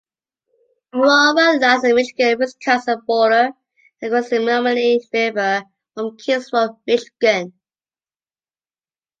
Aurora lies on the Michigan-Wisconsin border, across the Menominee River from Kingsford, Michigan.